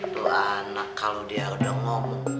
dua anak kalau dia udah ngomong